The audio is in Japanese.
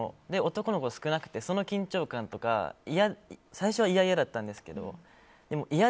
男の子少なくて緊張感が最初はいやいやだったんですけどいや